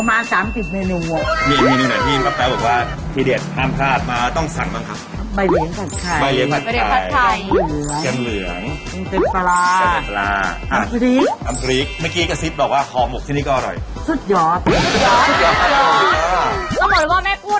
เมนูเมนูเมื่อกี้เขามาแอบส่องเมนู